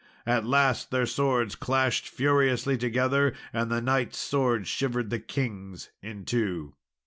At last their swords clashed furiously together, and the knight's sword shivered the king's in two.